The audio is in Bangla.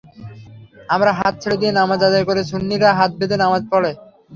আমরা হাত ছেড়ে দিয়ে নামাজ আদায় করি, সুন্নিরা হাত বেঁধে নামাজ পড়ে।